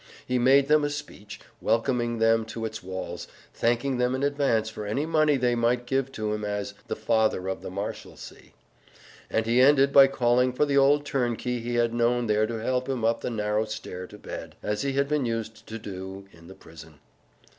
He made them a speech, welcoming them to its walls, thanking them in advance for any money they might give to him as "The Father of the Marshalsea." And he ended by calling for the old turnkey he had known there to help him up the narrow stair to bed, as he had been used to do in the prison.